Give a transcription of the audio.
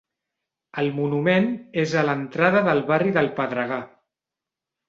El monument és a l'entrada del barri del Pedregar.